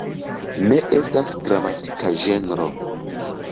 Ne estas gramatika ĝenro.